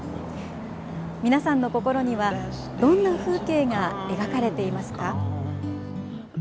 皆さんの心にはどんな風景が描かれていますか？